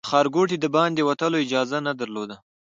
له ښارګوټي د باندې وتلو اجازه نه درلوده.